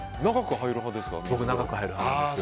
僕、長く入る派です。